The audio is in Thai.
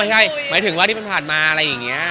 อ๋อไม่ใช่หมายถึงว่าที่มันผ่านมาอะไรอย่างเงี้ย